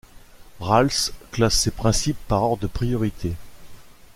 Rawls classe ces principes par ordre de priorité.